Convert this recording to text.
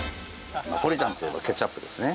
ナポリタンといえばケチャップですね。